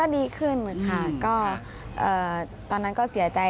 ดีขึ้นค่ะก็ตอนนั้นก็เสียใจ